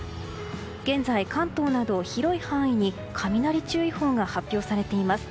現在、関東など広い範囲に雷注意報が発表されています。